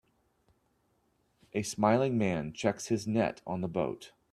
A smiling man checks his net on the boat.